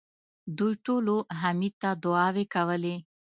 دوی ټولو حميد ته دعاوې کولې.